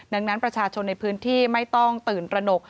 ดังนั้นประชาชนในพื้นที่ไม่ต้องตื่นตระหนก